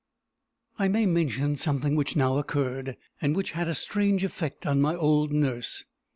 I may mention something which now occurred, and which had a strange effect on my old nurse.